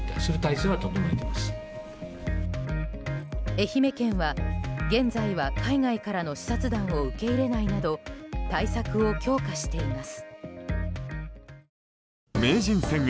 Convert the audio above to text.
愛媛県は現在は海外からの視察団を受け入れないなど対策を強化しています。